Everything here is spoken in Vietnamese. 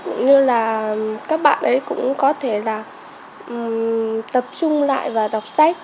cũng như là các bạn ấy cũng có thể là tập trung lại và đọc sách